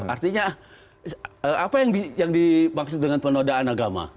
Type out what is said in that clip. artinya apa yang dimaksud dengan penodaan agama